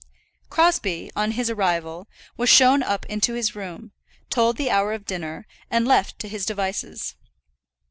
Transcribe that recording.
Crosbie, on his arrival, was shown up into his room, told the hour of dinner, and left to his devices.